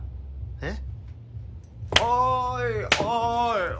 えっ！？